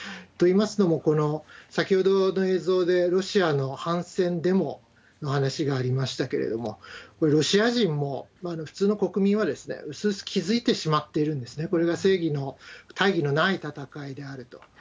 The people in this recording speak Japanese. といいますのも、先ほどの映像で、ロシアの反戦デモの話がありましたけれども、これ、ロシア人も普通の国民は薄々気付いてしまってるんですね、これが正義の大義のない戦いであると。